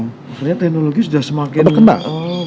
ternyata teknologi sudah semakin berkembang